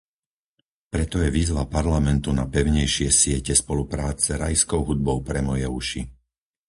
Preto je výzva Parlamentu na pevnejšie siete spolupráce rajskou hudbou pre moje uši.